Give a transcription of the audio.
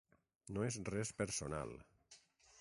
No és res personal.